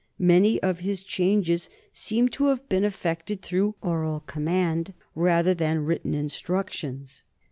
Many of his changes seem to have been effected through oral command rather than written instructions.